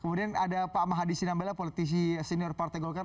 kemudian ada pak mahadi sinambela politisi senior partai golkar